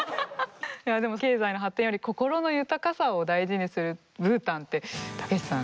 でも経済の発展より心の豊かさを大事にするブータンってたけしさん